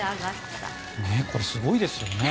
これ、すごいですよね。